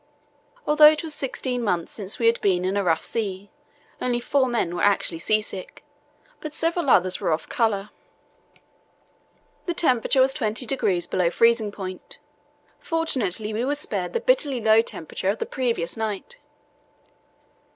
Although it was sixteen months since we had been in a rough sea, only four men were actually seasick, but several others were off colour. "The temperature was 20° below freezing point; fortunately, we were spared the bitterly low temperature of the previous night.